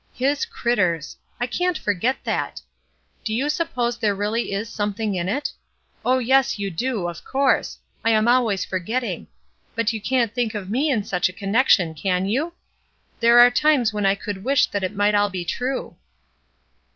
'''His critters,' I can't forget that. Do you suppose there is really something in it ? Oh, yes, you do, of course; I am always forgetting; but you can't think of me in such a connection, can you? There are times when I could wish that it might all be true."